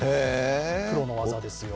プロの技ですよ。